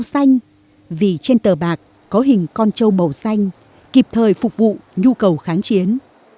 tờ giấy bạc con châu xanh vì trên tờ bạc có hình con châu màu xanh kịp thời phục vụ nhu cầu kháng chiến